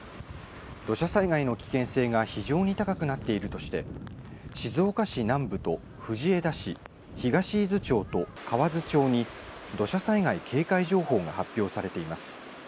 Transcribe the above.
土砂災害の危険性が非常に高くなっているとして静岡市南部と藤枝市、東伊豆町と河津町に土砂災害警戒情報が発表されています。